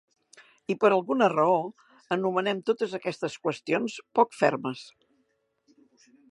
I per alguna raó anomenem totes aquestes qüestions poc fermes.